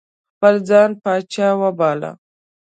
خپل ځان پاچا باله.